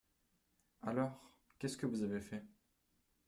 Alors, qu'est-ce que vous avez fait ?